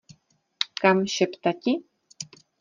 Kam šeptati?